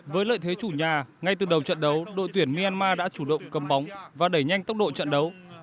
với lợi thế chủ nhà ngay từ đầu trận đấu đội tuyển myanmar đã chủ động cầm bóng và đẩy nhanh tốc độ trận đấu